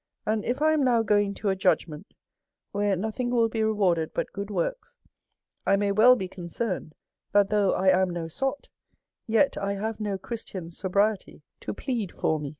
" And if I am nov/ going to a judgment^ where no thing will be rewarded but good works^ I may well be concerned, that though I am no sot^ yet I have no Christian sobriety to plead for me.